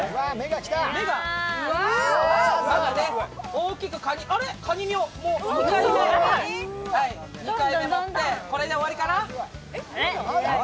大きくかに身を２回目盛って、これで終わりかな。